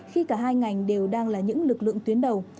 khi cả hai ngành đều đang là những lực lượng tuyến đầu